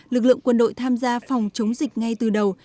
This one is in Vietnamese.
lực lượng quân đội tham gia phòng chống dịch ngay từ đầu